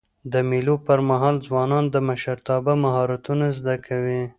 د مېلو پر مهال ځوانان د مشرتابه مهارتونه زده کوي.